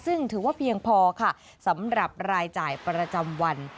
ซึ่งถือว่าเพียงพอค่ะสำหรับรายจ่ายประจำวัน